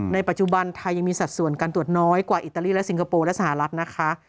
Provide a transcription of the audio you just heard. ปัจจุบันไทยยังมีสัดส่วนการตรวจน้อยกว่าอิตาลีและสิงคโปร์และสหรัฐนะคะ